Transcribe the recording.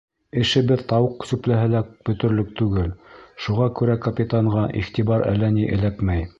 Эшебеҙ тауыҡ сүпләһә лә бөтөрлөк түгел, шуға күрә капитанға иғтибар әллә ни эләкмәй.